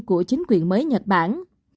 của chính quyền mới nhật bản